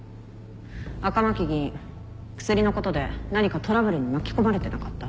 赤巻議員クスリのことで何かトラブルに巻き込まれてなかった？